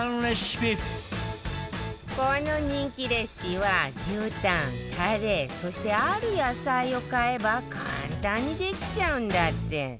この人気レシピは牛タンタレそしてある野菜を買えば簡単にできちゃうんだって